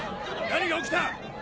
何が起きた？